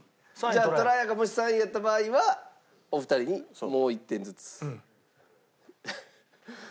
じゃあとらやがもし３位やった場合はお二人にもう１点ずつ。